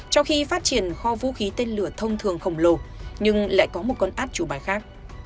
trong khi phát triển kho vũ khí tên lửa thông thường khổng lồ nhưng lại có một con áp chủ bài khác